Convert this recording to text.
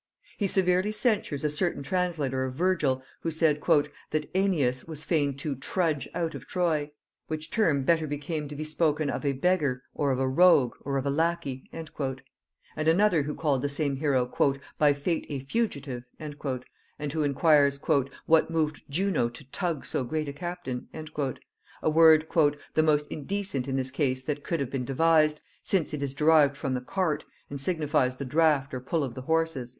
He severely censures a certain translator of Virgil, who said "that Æneas was fain to trudge out of Troy; which term better became to be spoken of a beggar, or of a rogue, or of a lackey:" and another who called the same hero "by fate a fugitive;" and who inquires "What moved Juno to tug so great a captain;" a word "the most indecent in this case that could have been devised, since it is derived from the cart, and signifies the draught or pull of the horses."